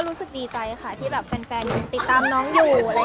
รู้สึกดีใจค่ะที่แบบแฟนติดตามน้องอยู่